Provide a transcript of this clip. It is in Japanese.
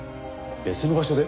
別の場所で？